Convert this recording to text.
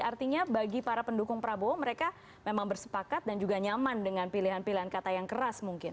artinya bagi para pendukung prabowo mereka memang bersepakat dan juga nyaman dengan pilihan pilihan kata yang keras mungkin